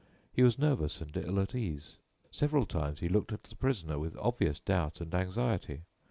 He was nervous and ill at ease. Several times he looked at the prisoner, with obvious doubt and anxiety.